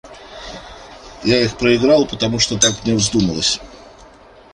Я их проиграл, потому что так мне вздумалось.